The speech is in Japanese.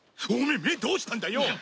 お前目どうしたんだよ！？